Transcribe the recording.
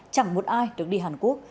chẳng một ai được đi hàn quốc